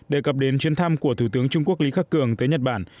để gặp đến chuyến thăm của thủ tướng trung quốc lý khắc cường tới nhật bản